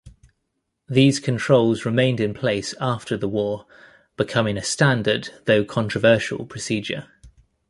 These controls remained in place after the war, becoming a standard, though controversial, procedure.